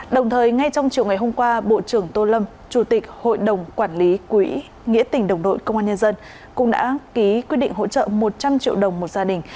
đồng thời ngay trong chiều ngày hôm qua bộ trưởng tô lâm chủ tịch hội đồng quản lý quỹ nghĩa tỉnh đồng đội công an nhân dân cũng đã ký quyết định hỗ trợ một trăm linh triệu đồng một gia đình